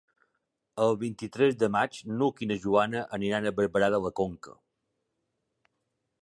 El vint-i-tres de maig n'Hug i na Joana aniran a Barberà de la Conca.